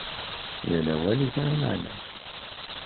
Yal awal yesεa lmeεna-s.